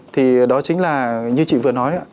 thì đó chính là như chị vừa nói